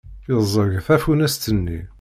Yeẓẓeg tafunast-nni.